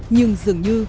nhưng dường như